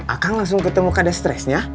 akan langsung ketemu kada stresnya